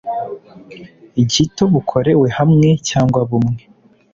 gito bukorewe hamwe cyangwa bumwe